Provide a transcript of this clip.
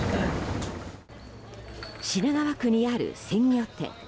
品川区にある鮮魚店。